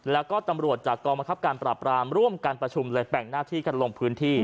แล้วก็ตำรวจจากกองบังคับการปราบรามร่วมการประชุมเลยแบ่งหน้าที่กันลงพื้นที่